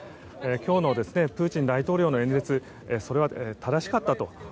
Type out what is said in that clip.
今日のプーチン大統領の演説それは正しかったと。